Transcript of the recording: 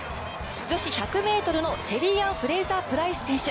女子１００ｍのシェリーアン・フレイザープライス選手。